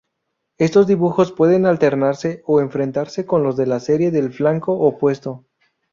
Estos dibujos pueden alternarse o enfrentarse con los de la serie del flanco opuesto.